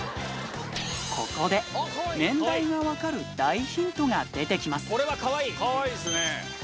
ここで年代が分かる大ヒントが出てきます。